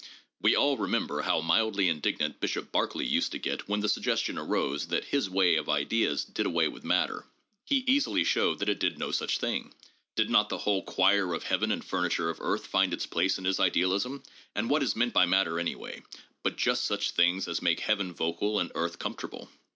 We all remember how mildly indignant Bishop Berkeley used to get when the suggestion arose that his way of ideas did away with matter. He easily showed that it did no such thing. Did not the whole choir of heaven and furniture of earth find its place in his idealism, and what is meant by matter anyway but just such things as make heaven vocal and earth comfortable